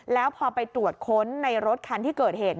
แล้วพอไปตรวจค้นในรถคันที่เกิดเหตุ